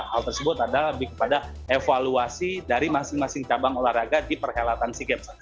hal tersebut adalah lebih kepada evaluasi dari masing masing cabang olahraga di perhelatan sea games